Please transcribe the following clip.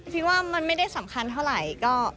คิดว่ามันไม่ได้สำคัญเท่าไหร่